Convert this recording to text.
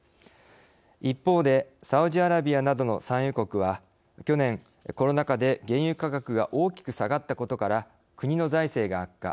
一方で、サウジアラビアなどの産油国は、去年、コロナ禍で原油価格が大きく下がったことから国の財政が悪化。